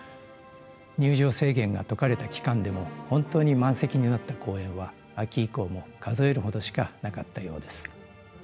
入場制限が解かれた期間でも本当に満席になった公演は秋以降も数えるほどしかなかったようです。